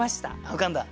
浮かんだ。